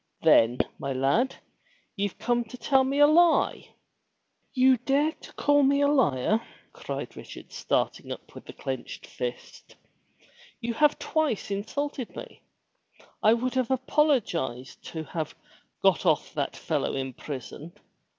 Then, my lad, ye've come to tell me a lie!" "You dare to call me a Har!" cried Richard starting up with clenched fist. "You have twice insulted me. I would have apologized to have got off that fellow in prison.